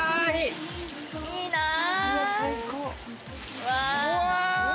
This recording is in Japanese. いいな。